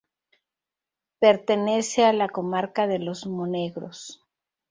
Pertenece a la comarca de Los Monegros.